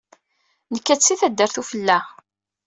Nekka-d si taddart ufella.